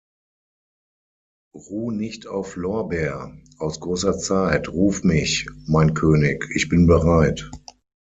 Ruh‘ nicht auf Lorbeer, Aus großer Zeit, Ruf‘ mich, mein König, Ich bin bereit.